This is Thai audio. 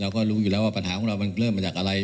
ก็รู้อยู่แล้วว่าปัญหาของเรามันเริ่มมาจากอะไร